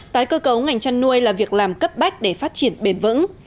tái cơ cấu ngành chăn nuôi là việc làm cấp bách để phát triển bền vững